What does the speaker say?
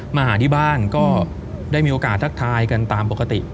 มาหาที่บ้านก็ได้มีโอกาสทักทายกันตามปกติ